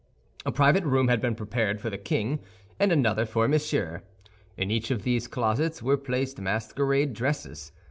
A private room had been prepared for the king and another for Monsieur. In each of these closets were placed masquerade dresses.